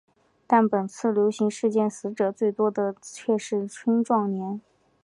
但本次流行事件死者最多的却是青壮年。